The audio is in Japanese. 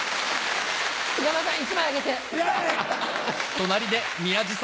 山田さん１枚あげて。